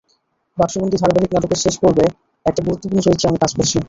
বাক্সবন্দী ধারাবাহিক নাটকের শেষ পর্বে একটা গুরুত্বপূর্ণ চরিত্রে আমি কাজ করছি।